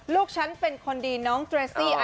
ลูกฉันเป็นคนดีน้องเจรซี่